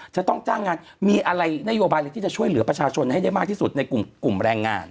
จะต้องจ้างงานมีอะไรนโยบายอะไรที่จะช่วยเหลือประชาชนให้ได้มากที่สุดในกลุ่มแรงงาน